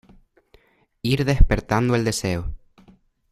ir despertando el deseo